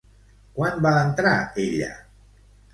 Quan va entrar ella?